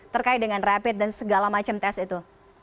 terkait dengan rapid dan segala macam tes itu